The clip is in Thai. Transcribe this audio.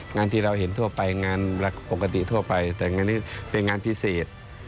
งานที่เราเห็นทั่วไปงานปกติทั่วไปแต่งานนี้เป็นงานพิเศษ